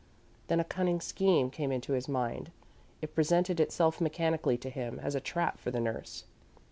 Then a cunning scheme came into his mind. It presented itself mechanically to him as a trap for the nurse.